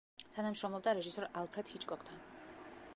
თანამშრომლობდა რეჟისორ ალფრედ ჰიჩკოკთან.